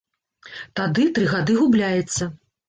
Тады тры гады губляецца!